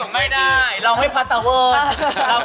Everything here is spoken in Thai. ไม่ได้เราไม่พัตตาเวิร์ด